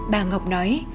bà ngọc nói